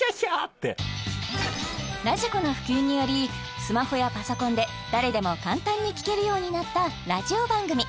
ってｒａｄｉｋｏの普及によりスマホやパソコンで誰でも簡単に聴けるようになったラジオ番組